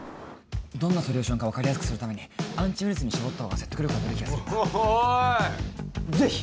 どんなソリューションか分かりやすくするためにアンチウイルスに絞ったほうが説得力が出る気がするんだぜひ！